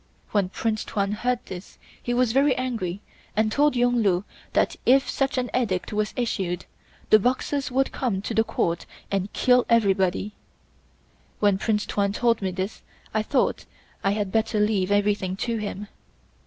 When Prince Tuan heard this he was very angry and told Yung Lu that if such an Edict was issued, the Boxers would come to the Court and kill everybody. When Prince Tuan told me this, I thought I had better leave everything to him.